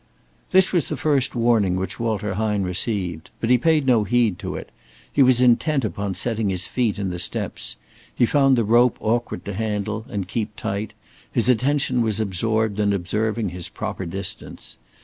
This was the first warning which Walter Hine received. But he paid no heed to it. He was intent upon setting his feet in the steps; he found the rope awkward to handle and keep tight, his attention was absorbed in observing his proper distance.